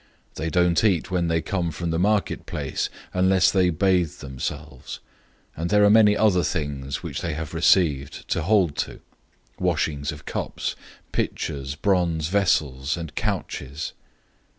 007:004 They don't eat when they come from the marketplace, unless they bathe themselves, and there are many other things, which they have received to hold to: washings of cups, pitchers, bronze vessels, and couches.)